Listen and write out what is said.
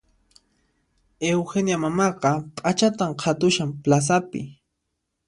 Eugenia mamaqa p'achatan qhatushan plazapi